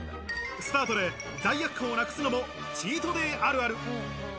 スタートで罪悪感をなくすのも、チートデイあるある。